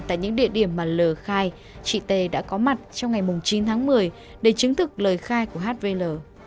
tại những địa điểm mà l khai chị t đã có mặt trong ngày chín tháng một mươi để chứng thực lời khai của hvl